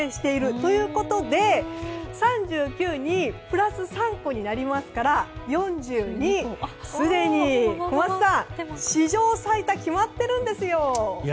ということで３９にプラス３個になりますから４２、すでに小松さん史上最多が決まってるんですよ！